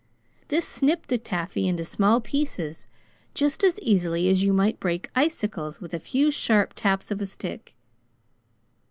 This snipped the taffy into small pieces, just as easily as you might break icicles with a few sharp taps of a stick.